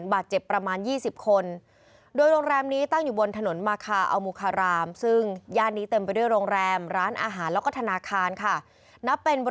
บาดเจ็บประมาณ๒๐คน